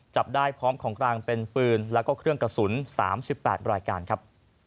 จับได้พร้อมของกลางเป็นปืนแล้วก็เครื่องกระสุน๓๘รายการครับ